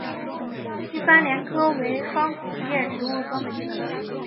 西番莲科为双子叶植物中的一科。